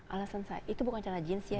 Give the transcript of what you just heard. alasan saya itu bukan cara jeans ya